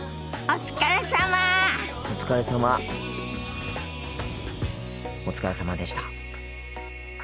お疲れさまでした。